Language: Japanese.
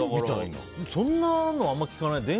そんなのあまり聞かないですね。